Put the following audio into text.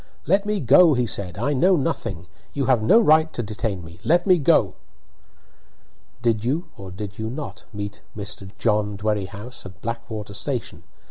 "Let me go," he said. "I know nothing you have no right to detain me let me go!" "Did you, or did you not, meet Mr. John Dwerrihouse at Blackwater station?